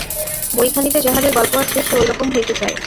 বইখানিতে যাঁহাদের গল্প আছে সে ওই রকম হইতে চায়।